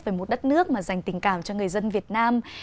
về một đất nước mà dành tình cảm cho người dân việt nam